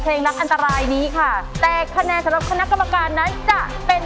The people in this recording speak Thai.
รักอันตรายนี้ค่ะแต่คะแนนสำหรับคณะกรรมการนั้นจะเป็น